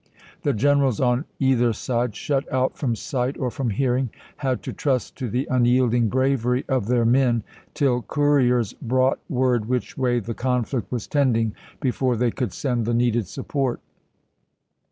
The generals on either side, shut out from sight or from hearing, had to trust to the un yielding bravery of their men till couriers brought word which way the conflict was tending, before they could send the needed support.